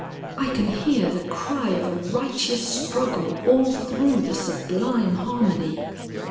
"I can hear the cry of a righteous struggle all through the sublime harmony."